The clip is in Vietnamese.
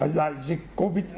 dạy dịch covid